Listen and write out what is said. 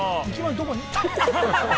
どこに？